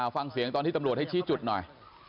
ฟังเสียงตอนที่ตำรวจให้ชี้จุดหน่อย